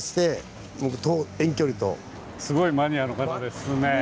すごいマニアの方ですね。